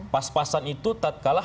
pas pasan itu tak kalah